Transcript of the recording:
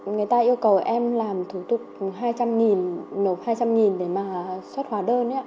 người ta yêu cầu em làm thủ tục hai trăm linh nộp hai trăm linh để mà xuất hóa đơn